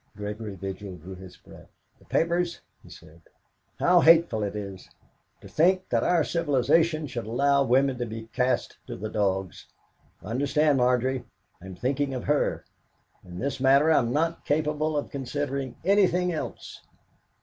Gregory Vigil drew in his breath. "The papers!" he said. "How hateful it is! To think that our civilisation should allow women to be cast to the dogs! Understand, Margery, I'm thinking of her. In this matter I'm not capable of considering anything else."